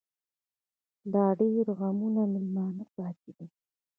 لا ډيـر غمـــــونه مېلـــمانه پــاتې دي